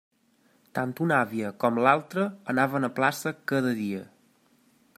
Tant una àvia com l'altra anaven a plaça cada dia.